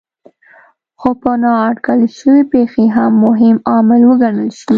خو په نااټکل شوې پېښې هم مهم عامل وګڼل شي.